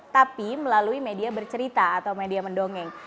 tapi melalui media bercerita atau media mendongeng